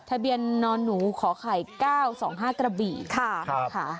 ทะเบียนนอนหนูขอไข่๙๒๕กระบี่ค่ะ